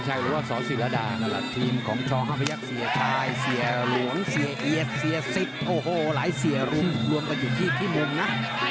หรือว่าสอศิรดาทีมของช้องฮัมพยักษ์เสียชายเสียหลวงเสียเอียดเสียสิทธิ์หลายเสียรุ่งรวมกันอยู่ที่ที่มุมน่ะ